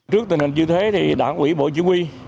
trước tình hình như thế thì đảng quỹ bộ chủ quy